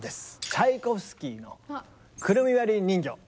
チャイコフスキーの「くるみ割り人形」。